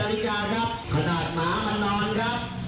มันได้ยินเสียงเพลงมันรีบรึกเลยครับทำไมอายหมาก็นั่งกินไปครับ